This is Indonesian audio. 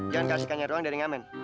jangan kasih kanya doang dari ngamen